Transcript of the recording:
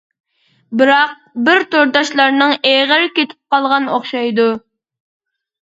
بىراق بىر تورداشلارنىڭ ئېغىر كېتىپ قالغان ئوخشايدۇ.